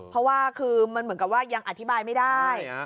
เพราะว่าคือมันเหมือนกับว่ายังอธิบายไม่ได้